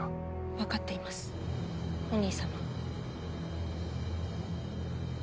わかっていますお兄様。